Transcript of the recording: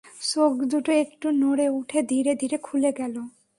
চোখদুটো একটু নড়ে উঠে ধীরে ধীরে খুলে গেল।